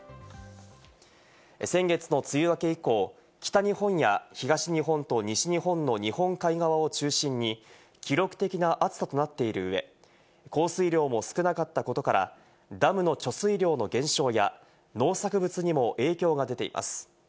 先月の梅雨明け以降、北日本や東日本と西日本の日本海側を中心に記録的な暑さとなっている上、降水量も少なかったことから、ダムの貯水量の減少や農作物にも影響が出ています。